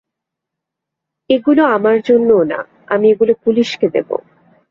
এগুলো আমার জন্যও না, আমি এগুলা পুলিশকে দেব।